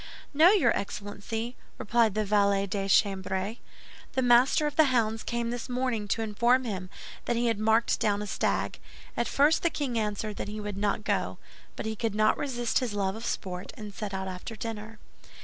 "No, your Excellency," replied the valet de chambre, "the Master of the Hounds came this morning to inform him that he had marked down a stag. At first the king answered that he would not go; but he could not resist his love of sport, and set out after dinner."